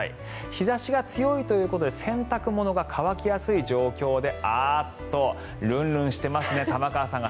日差しが強いということで洗濯物が乾きやすい状況であっと、ルンルンしてますね玉川さんが。